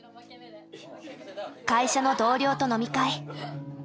会社の同僚と飲み会。